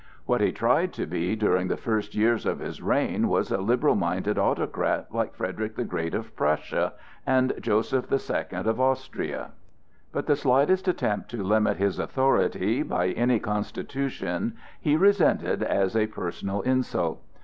What he tried to be during the first years of his reign was a liberal minded autocrat like Frederick the Great of Prussia and Joseph the Second of Austria; but the slightest attempt to limit his authority by any constitution he resented as a personal insult.